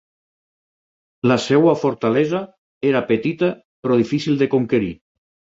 La seva fortalesa era petita però difícil de conquerir.